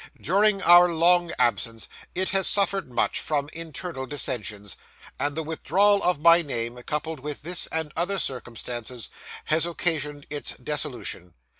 During our long absence, it has suffered much from internal dissentions; and the withdrawal of my name, coupled with this and other circumstances, has occasioned its dissolution.